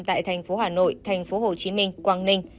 tại thành phố hà nội thành phố hồ chí minh quảng ninh